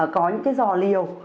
có những cái dò liều